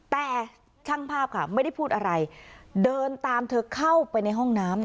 แต่ช่างภาพค่ะไม่ได้พูดอะไรเดินตามเธอเข้าไปในห้องน้ำ